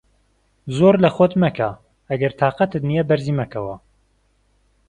زۆر لە خۆت مەکە، ئەگەر تاقەتت نییە بەرزی مەکەوە.